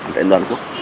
trên toàn quốc